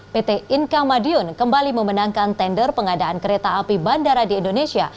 pt inka madiun kembali memenangkan tender pengadaan kereta api bandara di indonesia